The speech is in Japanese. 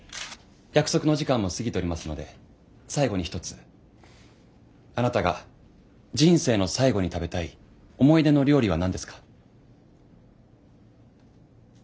約束のお時間も過ぎておりますので最後に一つ「あなたが人生の最後に食べたい思い出の料理は何ですか？」。